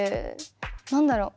何だろう？